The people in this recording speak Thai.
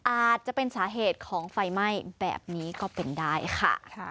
อาจจะเป็นสาเหตุของไฟไหม้แบบนี้ก็เป็นได้ค่ะ